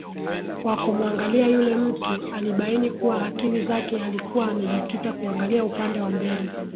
Kwa kumuangalia yule mtu alibaini kuwa akili zake alikuwa amejikita kuangalia upande wa mbele